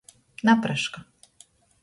Napraška.